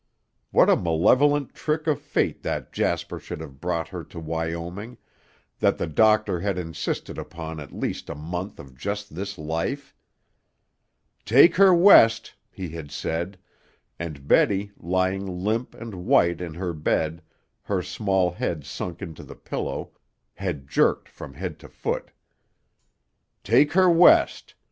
What a malevolent trick of fate that Jasper should have brought her to Wyoming, that the doctor had insisted upon at least a month of just this life. "Take her West," he had said, and Betty, lying limp and white in her bed, her small head sunk into the pillow, had jerked from head to foot. "Take her West.